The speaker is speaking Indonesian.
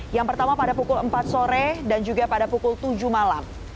yang pertama pada pukul empat sore dan juga pada pukul tujuh malam